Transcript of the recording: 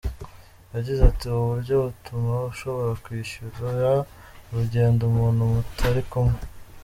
Yagize ati “Ubu buryo butuma ushobora kwishyurira urugendo umuntu mutari kumwe.